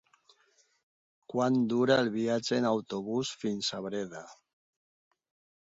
Quant dura el viatge en autobús fins a Breda?